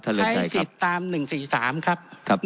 ใช้สิทธิ์ตาม๑๔๓ครับ